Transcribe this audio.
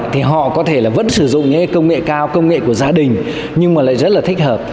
thì họ có thể vẫn sử dụng công nghệ cao công nghệ của gia đình nhưng lại rất là thích hợp